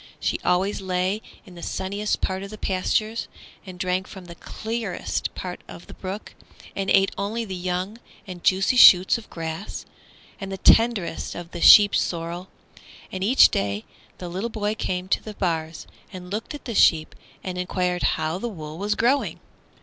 She always lay in the sunniest part of the pastures, and drank from the clearest part of the brook, and ate only the young and juicy shoots of grass and the tenderest of the sheep sorrel. And each day the little boy came to the bars and looked at the sheep and enquired how the wool was growing.